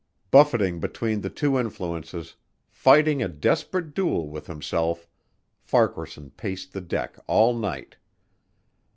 Buffeted between the two influences, fighting a desperate duel with himself, Farquaharson paced the deck all night.